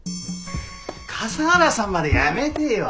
笠原さんまでやめてよ。